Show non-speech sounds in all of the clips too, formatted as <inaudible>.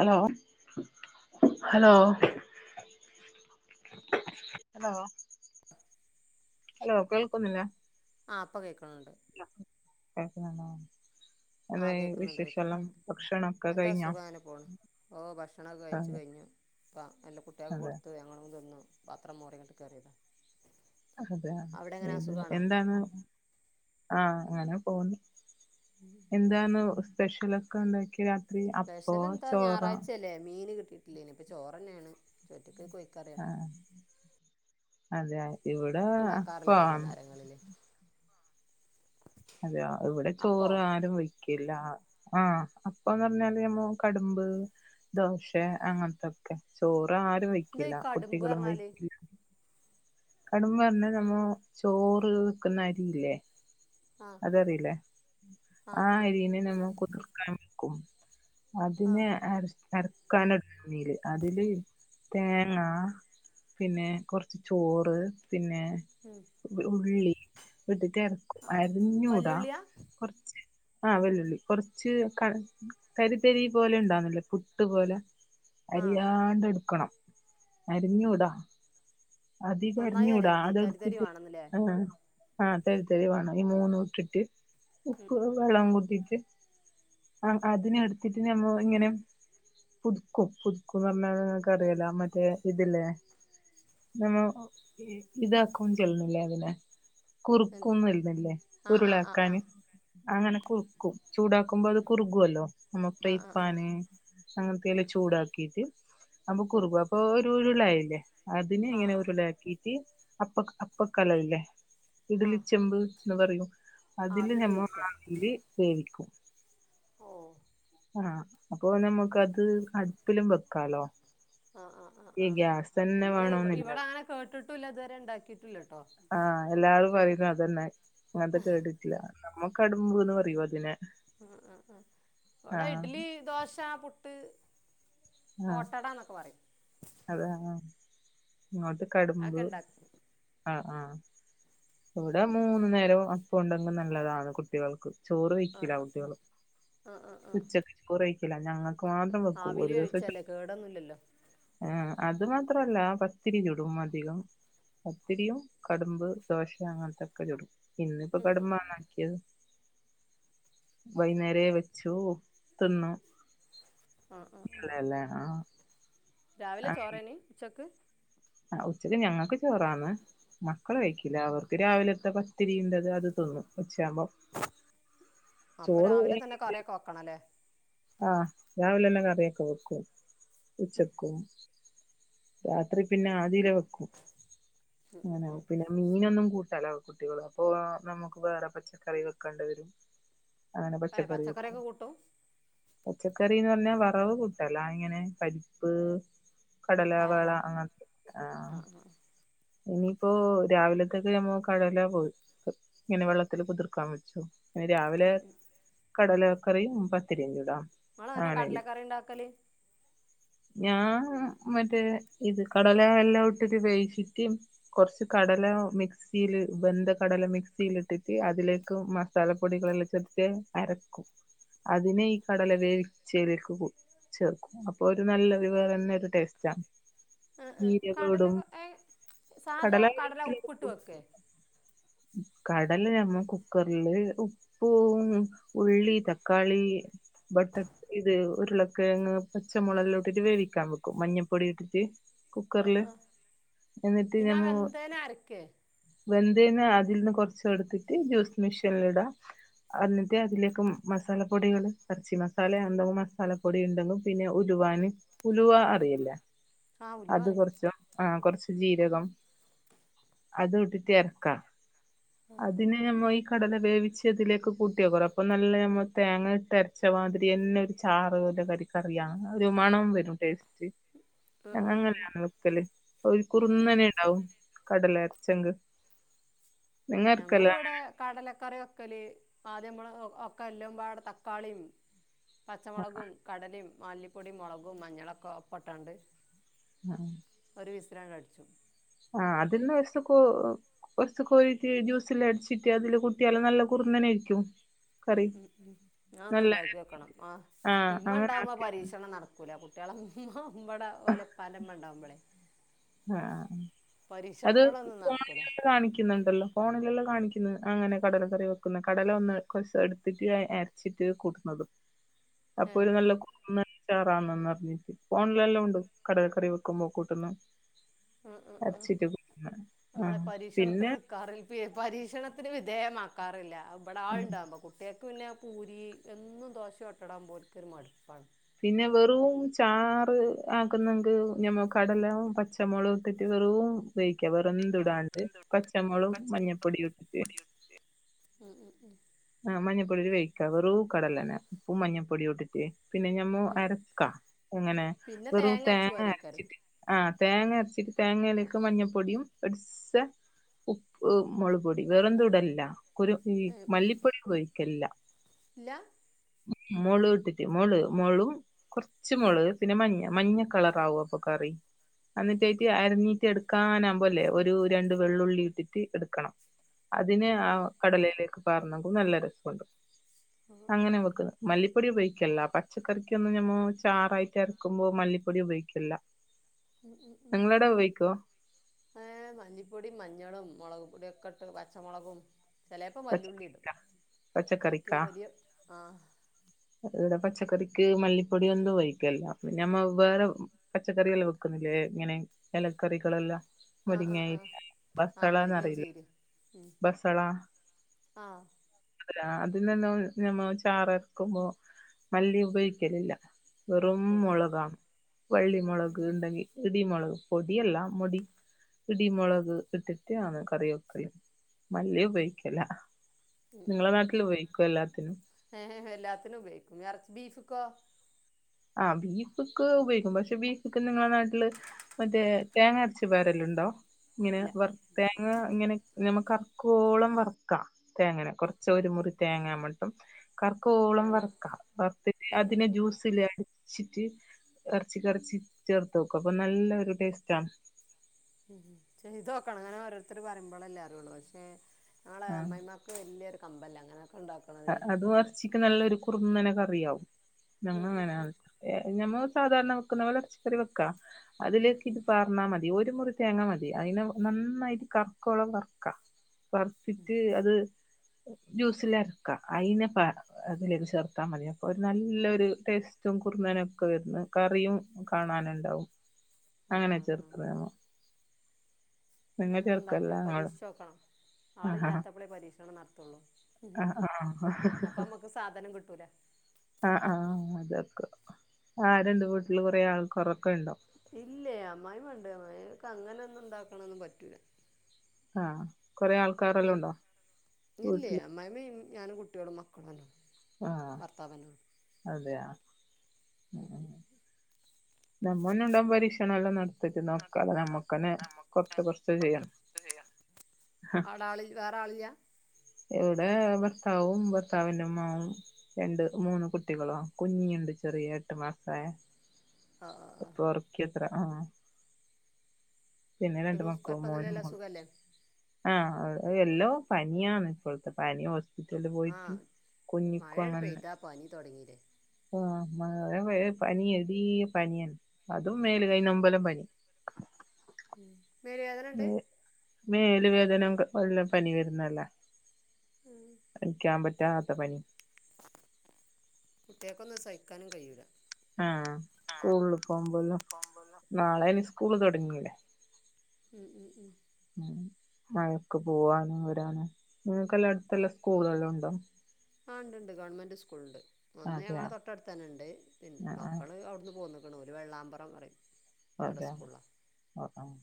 Hello hello hello. Hello കേൾക്കുന്നില്ല. ആഹ് പ്പ കേക്കുന്നുണ്ട്. കേക്കുന്നുണ്ടോ. ആ അതായ് കേൾക്കുന്നുണ്ട് വിശേഷല്ലാം കേൾക്കുന്നുണ്ട് ഭക്ഷണം ഒക്കെ കഴിഞ്ഞോ. ഓഹ് ഭക്ഷണൊക്കെ കഴിച്ചു അതെ കയ്ഞ്ഞു. പ്പ എൻ്റെ കുട്ട്യാക്ക് അതെ കൊട്ത്ത് ഞങ്ങളും തിന്നു പാത്രം മോറിങ്ങട്ട് കേറ്യതാ. അതെ ഏത് എന്താണ് ആഹ് അങ്ങനെ പോണ് <inaudible> എന്താന്ന് സ്പെഷ്യലൊക്കെ ഉണ്ടാക്കി രാ സ്പെഷല എന്താ ഞായറാഴ്ചയല്ലേ മീൻ കിട്ടിയിട്ടില്ലേനി ഇപ്പ ചോറ്ന്നെണ്. ചോറ്റ്ക്ക്‌ കോയ് ആഹ് അതെ ഇവിടെ ഉണ്ടാക്കാറില്ല അപ്പാണ്. വൈകുന്നേരങ്ങളിൽ അതെയ ഇവിടെ അപ്പോൾ ചോറ് ആരും വഴും കില്ലാഹ് ആഹ് അപ്പൊന്ന് പറഞ്ഞാല് നമ്മ കടമ്പ്. ദോശ അങ്ങൻത്തൊക്കെ ചോറ് ആരു വയ് ന്തഇ കാടുംമ്പ് അർഞ്ഞാല് കടുമ്പർഞ്ഞ നമ്മ ചോറ് വെക്കുന്ന അരിയില്ലേ? ആ അതറിയില്ലേ ആ അരിനെ നമ്മൾ കുതിർക്കാൻ വക്കും ആ അതിനെ അര് അരക്കാനടുന്നീല് അതില് തേങ്ങ പിന്നെ കൊറച്ച് ചോറ് പിന്നെ ഉം ഉള്ളി വിട്ടിട്ട് ഇറക്കും അരിഞ്ഞൂടാ. വല്യുള്ളിയാ കൊർച്ച് ആഹ് വെല്ലുളി കൊർച്ച് ക കരിതരി പോലെ ഉണ്ടാവുന്നില്ലേ ട്ട്പോലെ ആ അരിയാണ്ട് എടുക്കണം അരിഞ്ഞൂടാ. അത് നന്നായി കരഞ്ഞൂടാ അരയരുത് തരി തരി അതെടുത്തിട്ട് വേണമെന്നല്ലേ ആഹ് ആഹ് തെരി തരി വേണം ഈ മൂന്നു ഇട്ടിട്ട് ഉപ്പ് വെള്ളം കുട്ടിട്ട് അഹ് അതിന് എടുത്തിട്ട് ഞമ്മ ഇങ്ങനെ പുതുക്കും പുതുക്കുംന്ന് പറഞ്ഞാ നിക്ക് അറിയല മറ്റേ ഇതില്ലേ നമ്മ ഇതാക്കും ചെല്ലണില്ലേ അതിനെ കുറുക്കും എല്ലല്ലേ ആ ആ ആ ആ ആ ഉരുളാക്കാന്. അങ്ങനെ കുറുക്കും ചൂടാക്കുമ്പോ അത് കുറുകുല്ലോ നമ്മ ആ ആ ആ പ്രയിപ്പാന്. അങ്ങൻത്തെല്ലാ ചൂടാക്കിട്ട് അപ്പൊ കുറുകു അപ്പൊ ഒരു ഉരുള്ളായില്ലേ? തിന്ങ്ങനെ ആഹ് ഉരുളക്കിട്ട് അപ്പ അപ്പക്കലംല്ലേ ആഹ് ഇഡില് ആഹ് ചെമ്പ് ന്ന് പറയും അതില് ആവിയിൽ നമ്മൾ വേവിക്കുക നട്ടില് വെവിക്കും. ഓഹ് ആഹ് അപ്പൊ നമക്ക്ത് അടുപ്പിലും വെക്കാലോ. ആഹ് ആഹ് ആഹ് ഈ ആഹ് ഗ്യാസ് തന്നെ നമ്മള് ഇവ വേണോന്നില്ല ഇവിടെ അങ്ങനെ കേട്ടിട്ടുംല്ല ഇതുവരെ ഉണ്ടാക്കിയിട്ടുല്ല ട്ടോ. ആഹ് എല്ലാരും പറയുന്നു അതന്നെ അങ്ങൻത്തെ കേട്ടിട്ടില്ല. നമ്മക്കടുമ്പുന്ന് പറയോ അതിനെ അഹ് അഹ് അഹ് ഇവടെ ആഹ് ഇഡ്ലി ദോശ പുട്ട് ഓട്ടടന്നൊക്കെ പറയും. അതാന്നൊ ഇങ്ങോട്ട് കടുമ്പ് അതൊക്കെ ഉണ്ടാക്കും അഹ് ആഹ് ഇവിടെ മൂന്നു നേരം അപ്പ ഉണ്ടെങ്കിൽ നല്ലതാണ് കുട്ടികൾക്ക് ചോറ് ആഹ് വയ്ക്കല ആഹ് കുട്ടികള് ആഹ് ആഹ് ആഹ് ഉച്ചക്ക ചോറയ്ക്കില്ല ഞങ്ങക്ക് മാത്രം വെക്കൂ ഒരു ദിവസ കേടൊന്നുല്ലല്ലോ? ആഹ് അത് മാത്രല്ല പത്തിരി ചൂടും അധികം. പത്തിരിയും കടുമ്പ് ദോശ അങ്ങനത്തൊക്കെ ചൊടും. ഇന്നിപ്പോ ബടെമണാക്കിയത് വൈന്നേരേ വെച്ചു തിന്നു ആഹ് ആഹ് ആഹ് അല്ലെ ല്ലെ ആഹ് രാവിലെ ചോറേനി ഉച്ചക്ക് ആഹ് ഉച്ചക്ക് ഞങ്ങൾക്ക് ചോറാന്ന് മക്കൾ കഴിക്കില്ല അതോ രാവിലെ തെ പത്തിരിണ്ടത് അത് തിന്നുന്നു ഉച്ചമ്പോം അപ്പൊ രാവിലെ തന്നെ കറിക്കെ വെക്കണം അല്ലേ? ആഹ് രാവിലെല്ലെ കറിയൊക്കെ വെക്കും ഉച്ചക്കും. രാത്രി പിന്നെ ആദ്യൽ വെക്കും ഉം ഉം അങ്ങനെ ഉം പിന്നെ മീനൊന്നും കൂട്ടാലോ കുട്ടികൾ അപ്പൊ നമുക്ക് വേറെ പച്ചക്കറി വെക്കേണ്ടി വരും. അങ്ങനെ ഏഹ് പച്ചക്കറ്യൊക്കെ കൂട്ടും പച്ചക്കറീന്ന് പർഞ്ഞാ വറവ് കൂട്ടലാ ഇങ്ങനെ പരിപ്പ് ടലാ വേള പയറ് അങ്ങൻത്തെ ആഹ് ഇനിയിപ്പോ രാവിലത്തേക്ക് ഞമ്മ കടല പോയ് ക് ഇങ്ങെനെ വെള്ളത്തില് കുത്ർക്കാം വെച്ചു ഇ രാവിലെ ഉം ഉം കടലക്കറിയും പത്തിരിയും ചുടാം ഇങ്ങനെങ്ങെനെ കടലക്കറിണ്ടാക്കല് ഞാ മറ്റേ ഇത് കടല എല്ലോം ഇട്ടിട്ട് വേവ്ച്ചി ദ്യം കൊർച്ച് കടല മിക് മിക്സീല് ബെന്ധ കടല മിക്സീല് ഇട്ടിട്ട് അതിലേക്ക് മസാലപ്പൊടികളെല്ലാം ചേർത്ത്ട്ട് അരെക്കും അതിനെ ഈ കടല വേവിച്ചേലേക്ക് കൂ ചേർക്കും അപ്പൊ ഒരു നല്ലെത് വേറെന്നെ ഒരു ടേസ്റ്റാ ആഹ് ആഹ് ജീരകം കടല ഇടും ഏഹ് സാധാ കടല ഉപ്പ്ട്ട് വെക്കേ കടലെ ഞമ്മ കുക്കർല് ഓഹ് ഊം ഉള്ളി തക്കാളി ബട്ട ഇത് ഉരുളക്കെഴങ്ങ് പച്ചമാെളെല്ലം ഇട്ടിട്ട് വേവിക്കാം വെക്കും മഞ്ഞപ്പൊടി ഇട്ടിട്ട് ആഹ് കുക്കർല് ആഹ് എന്നിട്ട് പിന്നെ ആ ഞമ്മാെ വെന്തേനെ അരക്കേ വെന്തേനെ അ അതിൽന്ന് കൊർച്ചെട്ത്തിട്ട് ജ്യൂസ് മിഷീൽല് ഇടാ അന്നിട്ട് അതിലേക്ക് മസാലപ്പൊടികള് എർച്ചി മസാലെ അന്താെ മസാല പൊടി ഇണ്ടെങ്കും പിന്നെ ഉലുവാന് ഉലുവാ അറിയില്ലെ ആ ഉല് അത് പറയും കൊർച്ചും ആഹ് കൊർച്ച് ജീരകം അതും ഇട്ട്ട്ട് എളക്കാ അതിനെ നമ്മള് ഈ കടല വേവിച്ചെതിലേക്ക് കൂട്ടിയാേക്കറം അപ്പൊ നല്ലെ നമ്മൾ തേങ്ങെ ഇട്ട് അരച്ച് ച്ചമാതിരിയെന്നെ ഒരു ചാറ് പോലെര് ക കറിയാ ഒരു മണം വരും ടേസ്റ്റ് ആഹ് ആഹ് ആഹ് അങ്ങനെയാണ് വെക്കല് ഒരു ഉം കുറ്ന്നനേണ്ടാവും കടല അനരച്ചെങ്ങ് ഞങ്ങള് വടെ കടലക്കറി വെക്കല് ആദ്യമ്മള് ഒ ഒ ഒക്കെ എല്ലം പാടെ തക്കാളിം പച്ചമാെളകും കടലിം മല്ലിപ്പൊടിയും മൊളകും മഞ്ഞളാെക്കെ ഒപ്പട്ടാണ്ട് ആഹ് ഒര് വിസ്‌ലാണ്ടട്‌ച്ചും ആഹ് അതിന്ന് ഒര് സെക്കൊ ഒര്സ് കോഴീറ്റ് ജ്യൂസെല്ലാം അടിച്ചിട്ട് അതില് കൂട്ടിയാല് നല്ല കുറ്ന്നെനേയ്രിക്കും ഉം ഉം ഉം ന്നാ അതൊന്ന്ണ്ടാക്ക്യോക്കണം ആഹ് അങ്ങനെ ഇമ്മണ്ടാവ്മ്പം ആക്കി പരീഷണം നട ക്കൂലാ കുട്ട്യാളെ ബടെ ഓലെ ഇപ്പാന്റെമ്മ ണ്ടാവ്മ്പളേ ആഹ് ആഹ് അത് പോണെ നടക്കൂല കാണിക്കു ക്ക്ന്ന്ണ്ടല്ലോ ഫോണിലെല്ലാം കാണിക്ക്ന്ന് അങ്ങെനെ കടല കറി വെക്കുന്നെ കടല ഒന്ന് ക്രസ് എട്ത്തിട്ട് അ എ ച്ചിട്ട് കൂട്ട്ണത് അപ്പൊ ഏഹ് ഒരു നല്ലെ കുറ്ന്നെനെ ചേറാന്നന്ന്റ്ഞ്ഞിട്ട് ഫോൺലെല്ലാം ഉണ്ട് കടല കറി വെക്കുമ്പോ കൂട്ട്ന്ന ഉം ഉം ഉം ആ നമ്മളെ പിന്നെ പരീഷണത്ത്ന് കറീപ്പെ പരീഷണത്തിന് വിധേയമാക്കാറില്ല അത് ബടെ ഉം, ആള്ണ്ടാവുമ്പം കു കുട്ട്യേക്ക് പിന്നെ പൂരി എന്നും ദോശെം ഓട്ടെടാവുമ്പം ഓൽക്കൊര് മട്പ്പാണ് പിന്നെ വെറും ചാറ് ആകുന്നെങ്ക് ഞമ്മ കടലവും പച്ചമൊളകും തെറ്റ് തെറും പയോഗിക്ക വെറെന്തുടാണ്ട് പച്ചമൊളും മഞ്ഞപ്പൊടിയും ഇട്ട്ട്ട് ഉം ഉം ഉം ആഹ് മഞ്ഞപ്പൊടിട്ട് വേവിക്കാ വെറൂ കടലനെ ഉപ്പും മഞ്ഞപ്പൊടിയൂട്ട്ട്ട് പിന്നെ ഞ മ്മൊ ഉം അരെക്കാ എങ്ങെനെ പിന്നെ വെറൂ അരച്ച് തേങ്ങ പാരേക്കാരം അരെച്ചിട്ട് ആഹ് തേങ്ങ അരച്ചിട്ട് തേങ്ങേലേക്ക് മഞ്ഞപ്പൊടിയും ഒര്സ് ഉപ്പ് മാെള് പൊടി വേറെന്തും ഇടൽല്ലാ ഒരു ഈ ഏഹ് മല്ലിപ്പൊടി ഉപയോഗിക്കല്ലാ ഇല്ല മൊളുഇട്ടിട്ട് മാെള് മാെളു കാെർച്ച് മൊളക് പിന്നെ മഞ്ഞ മഞ്ഞ കളറാവു അപ്പൊ കറി എന്നിട്ടായിട്ട് അരഞ്ഞീട്ട് എട്ക്കാനാവ്മ്പല്ലേ ഒരു രണ്ട് വെള്ളുള്ളി ഇട്ടിട്ട് എട്ക്കണം അതിന് ഉം ഉം ആഹ് ഉം കടലയിലേക്ക് പാർന്നെങ്കും നല്ല രസമുണ്ട് ആഹ് അങ്ങെനെ വെക്ക്ന്നത് മല്ലിപ്പൊടി ഉപയോഗിക്കില്ല പച്ചക്കറിക്കൊന്നും നമ്മ ചാറായിട്ടരക്കുമ്പോ മല്ലിപ്പൊടി ഉപയോഗിക്കില്ല. <inaudible> ഉം ഉം ഉം. നിങ്ങളവിടെ ഉപയോഗിക്കോ ഏഹ് മല്ലിപ്പൊടിം മഞ്ഞളും മൊളക് പൊട്യോക്കെട്ട് പച്ചമൊളകും. ചെലേപ്പൊ പച്ച വല്ലുള്ളിടും അയിക്ക് പച്ചക്കറിക്കാ വലിയ ആഹ്. ഇടെ പച്ചക്കറിക്ക് മല്ലിപ്പൊടിയെന്തു വൊയിക്കല്ല്യ. പിന്നെ നമ്മവ്വേറെ. പച്ചക്കറിയെല്ലോം വെക്കുന്നില്ലേ ഇങ്ങനെ ഇലക്കറികളെല്ലാ ആഹ് ആഹ് ആഹ് ആഹ് മുരിങ്ങേം ചീരേം ഉം. ബസള. ആഹ്. അതെ അതിനൊന്നും ഞമ്മ ചാറരക്കുമ്പോ മല്ലി ഉപയോഗിക്കലില്ല. വെറും ഓഹ് മൊളകാ വള്ളിമൊളക് ഇണ്ടെങ്കി. ഇടിമൊളക് പൊടിയല്ല മൊടി ഇടിമൊളക് ഇട്ടിട്ടാണ് കറി വെക്കല് മല്ലി ഉപയോഗിക്കല്ല. ഇങ്ങളെ നാട്ടില് ഉപയോഗിക്കോ എല്ലാത്തിനും. ഏഹ് എല്ലാത്തിനു ഉപയോഗിക്കും. എർ ബീഫ്ക്കോ? ആഹ് ബീഫ്ക്ക് ഉപയോയിക്കും, പശെ ബീഫക്ക് നിങ്ങളെ നാട്ടില് മറ്റേ തേങ്ങരച്ച് പാരല്ണ്ടോ ഇങ്ങനെ ഇല്ല വർ തേങ്ങങ്ങനെ ഞമ്മ കറുക്കുവോളം വറക്കാ. തേങ്ങന കൊറച്ചൊരു മുറി തേങ്ങാ മ്മളിപ്പം കർക്കോളം ഞങ്ങൾ വറക്കാം വറത്തിട്ട് ഉം ഉം അതിനെ ഉം ജ്യൂസില് അ ച്ചിട്ട് എറച്ചികൊറച്ച് ചേർത്തോക്ക് അപ്പൊ നല്ലൊരു ടേസ്റ്റാ. ഉം ചെയ്തോക്കണം ഇങ്ങനെ ഓരോരുത്തർ പറയുമ്പോളല്ലേ അറിയുള്ളൂ, പക്ഷെ ഞങ്ങളെ ആ അമ്മായിയമ്മ ഇക്ക് വല്യൊരു കമ്പല്ല അങ്ങനൊക്കെണ്ടാക് അതും ഇറച്ചിക്ക് നല്ലൊരു കുറന്നനെ കറിയാവും, ഞങ്ങ ഉം ഉം ങ്ങനെ ഉം. ആണ് എഹ് ഞമ്മ സാധാരണ വെക്കുന്ന പോലെ ഇറച്ചിക്കറി വെക്കാ, അതിലേക്ക് ഇത് പാ എന്നാ മതി ഒരു മുറി തേങ്ങ മതി അയിനെ നന്നായി കറ്ക്കോളം വറ്ക്കാ. വറ്ത്തിട്ട് അത് ജ്യൂസിലരക്കാ അയിന് പറ അതിലിതു ചേർത്താ മതി അപ്പൊരു നല്ലൊരു ടേസ്റ്റും കുറുന്നനൊക്കെ വരുന്ന കറിയും കാണാന്ണ്ടാവും ആ അങ്ങനെ ആ ആ ചേറ്ക്കാ തേങ്ങ നി ചേർക്കല്ല ണ്ടാക്കിയോ ഇങ്ങള് പരീക്ഷിച്ചോക്കണം ആഹ് ആളില്ലാത്തപ്പളേ പരീക്ഷണം നടത്തൊള്ളൂ. ആഹ് ആഹ് സാധനം കിട്ടൂല ആഹ് ആഹ് അതൊക്കെ ആഹ് രണ്ട് വീട്ടില് കുറെ ആൾക്കാരൊക്കെ ഇണ്ടോ ഇല്ലേ അമ്മായിമ്മണ്ട് അ്മായി ക്ക് അങ്ങനൊന്നും ഉണ്ടാക്കണൊന്നും പറ്റൂല. ആഹ് കൊറേ ആൾ ൽ ഇല്ലേ അമായിമിം ഞാനും കുട്ടേളും മക്കളോണ് ആഹ് അതെയൊ ആഹ് നമ്മോന്ന്ണ്ടാവുമ്പോ പരീഷണല്ലോന്നട് <unintelligible> നോക്കാതെ നമ്മക്കന്നെ കൊറച്ച് കൊറച്ച് ചെയ്യാം അഹ്. വെറാളില്ല ഇവിടെ ഭർത്താവും ഭർത്താവിന്റെമ്മാവും. രണ്ട് മൂന്ന് കുട്ടികളോ കുഞ്ഞിയുണ്ട് ചെറിയ എട്ട് മാസായ. ആ ആ ആ ഇപ്പൊർക്യത്രാ ആഹ്. പിന്നെ രണ്ട് കുട്ടിക്ക് മക്കളും, മോനും കുഴപ്പമൊന്നുമില്ലല്ലോ മോളും. സുഖമല്ലേ ആഹ് എല്ലോ പന്യാണ് ഇപ്പോഴത്തെ പനി ഹോ സ്പിറ്റൽ ആ പോയിട്ട് കുഞ്ഞിക്കും മഴയാണ് അങ്ങനന്നെ. പെയ്താ പനി തൊടങ്ങിലേ ആഹ് <unintelligible> പനിയെടീ പനിന്നെ അതും മേല കൈ നൊമ്പലം പനി. ഉം മേല് വേതനണ്ട്. മേല് വേദനം വെല്ല പനി വര്ന്നല്ലേ ഉം ഹിക്കാൻ പറ്റാത്ത പനി കുട്ട്യേക്കൊന്നും സഹിക്കാനും കയ്യൂല ആഹ് സ്കൂളിൽ പോമ്പോലും നാളെനി സ്കൂള് തുടങ്ങീലെ ഉം ഉം ഉം മഴക്ക് പോവാനും വരാനും നിങ്ങക്കെല്ലാം അടുത്തെല്ലാം സ്കൂളുകളും ഉണ്ടോ ആഹ് ഇണ്ട്ണ്ട് ഗവൺമെന്റ് സ്കൂളുണ്ട് ഒന്ന് അതെയ ഞങ്ങളെ തൊട്ടടുത്തന്നെണ്ട് പിന്നെ ആഹ് ആഹ് മക്കൾ അവ്ട്ന്ന് പോന്ന് ക്ണ് ഓല് വെള്ളാമ്പറം പറിം ഒരാ ഒഹ് ഓഹ്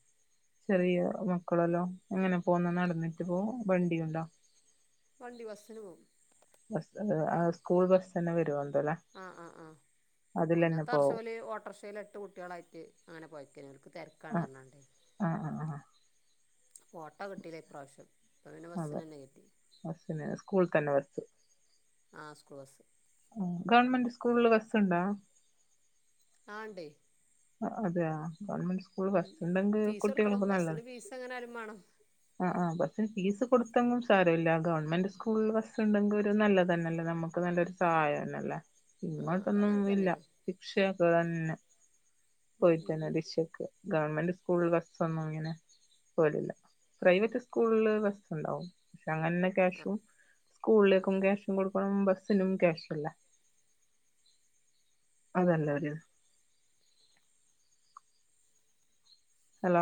ചെറിയ മക്കളെല്ലോ എങ്ങനെ പോന്ന് നടന്നിട്ട് പോവോ വണ്ടിയുണ്ടോ? വണ്ടി ബസ്സിന്‌ പോവും. ബസ്സുണ്ട് ആ സ്കൂൾ ബസ്സെന്നെ വരോന്ത്‌ല്ലേ ആഹ് ആഹ് ആഹ് മുന്നത്തെ പോവും വർഷോല് ഓട്ടർഷേൽ എട്ട് കുട്ടിയോളായിട്ട് അങ്ങനെ പോയ്ക്കെഞു ക്ക് ആഹ് തെരക്കാണർഞ്ഞാണ്ടേ ആഹ് ആഹ് ആഹാ ഫോട്ടോ കിട്ടിലാ ഇപ്രാവശ്യം അപ്പോൾ പിന്നെ അതെ ബസ്സിന് തന്നെ കിട്ടി ബസ്സിന് സ്കൂളിൽ തന്നെ ബസ് ആഹ് സ്കൂൾ ബസ് ഉം ഗവൺമെന്റ് സ്കൂളില് ബസ്സുണ്ടോ? ആണ്ടേ ആഹ് അതെയാ ഗവൺമെന്റ് സ്കൂള് ബസ് ഇണ്ടെങ്ക് കുട്ടികൾക്ക് നല്ലതാ അങ്ങനാരും മാണം ആഹ് ആഹ് ബസ്സിന് ഫീസ് കൊടുത്തെങ്ങും സാരവില്ല ഗവൺമെന്റ് സ്കൂളിൽ ബസ് ഇണ്ടെങ്കോരു നല്ലതന്നെല്ലേ നമ്മക്ക് നല്ലൊരു തായെന്നല്ലേ ആ ഇങ്ങോട്ടൊന്നും അതങ്ങനെ ഇല്ല തന്നെയാണ് ഉം ഉം ഉം <unintelligible> ഗവൺമെന്റ് സ്കൂൾ ബസ്സൊന്നും ഇങ്ങനെ പോരൂല്ല പ്രൈവറ്റ് സ്കൂളിൽ ബസ് ഉണ്ടാവും പക്ഷെ അങ്ങനെന്നെ ആ ക്യാഷും ഉം സ്കൂളിലേക്കും ഉം ക്യാഷും കൊടുക്കും അപ്പഴും ബസ്സിനും ക്യാഷ് അല്ലേ അതല്ലേ ഒരു